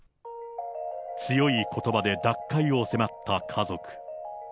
強いことばで脱会を迫った家族。